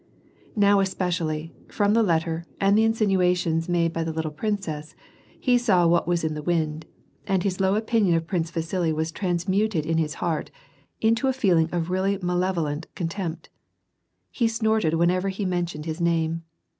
Now especially, from the letter, and the insinuations made by the little princess, he saw what was in the wind, and his low opinion of Prince Vasili was transmuted in his heart into a feeling of really malevolent contempt. He snorted whenever he mentioned his name.